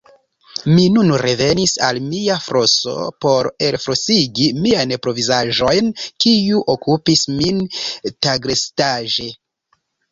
Mi nun revenis al mia floso por elflosigi miajn provizaĵojn, kiu okupis min tagrestaĵe.